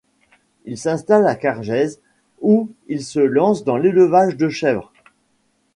Il s'installe à Cargèse, où il se lance dans l'élevage de chèvres.